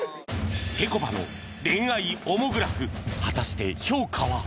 ぺこぱの恋愛オモグラフ果たして評価は？